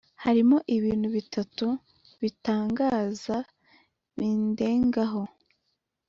“hariho ibintu bitatu bitangaza bindengaho,